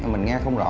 mình nghe không rõ